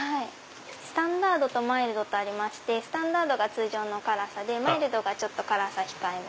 スタンダードとマイルドとありましてスタンダードが通常の辛さでマイルドがちょっと辛さ控えめ。